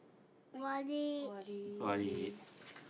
終わり。